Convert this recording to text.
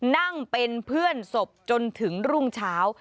นั่งเป็นเพื่อนศพจนถึงรุ่งเช้า